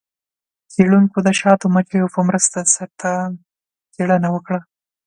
څیړونکو د شاتو مچیو په مرسته د سرطان څیړنه وکړه.